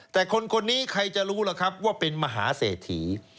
แต่คนนี้ใครจะรู้ว่าเป็นมหาเสถี